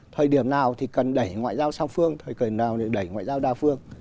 thời điểm nào thì cần đẩy ngoại giao song phương thời điểm nào thì cần đẩy ngoại giao đa phương